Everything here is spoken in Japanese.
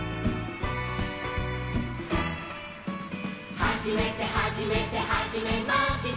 「はじめてはじめてはじめまして」